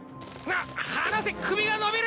は離せ首が伸びる！